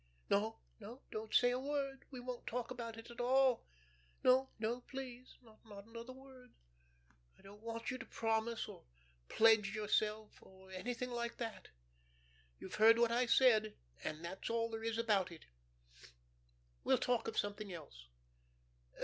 No no don't say a word, we won't talk about it at all. No, no, please. Not another word. I don't want you to promise, or pledge yourself, or anything like that. You've heard what I said and that's all there is about it. We'll talk of something else.